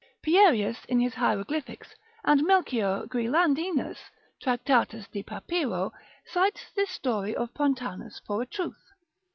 Pierius in his Hieroglyphics, and Melchior Guilandinus, Mem. 3. tract. de papyro, cites this story of Pontanus for a truth.